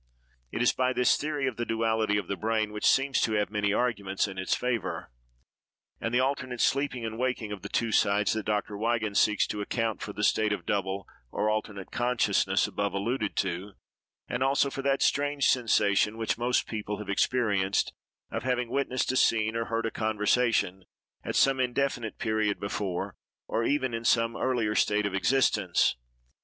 It is by this theory of the duality of the brain, which seems to have many arguments in its favor, and the alternate sleeping and waking of the two sides, that Dr. Wigan seeks to account for the state of double or alternate consciousness above alluded to; and also, for that strange sensation which most people have experienced, of having witnessed a scene, or heard a conversation, at some indefinite period before, or even in some earlier state of existence.